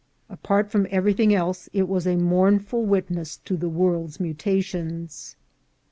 Apart from everything else, it was a mourn ing witness to the world's mutations.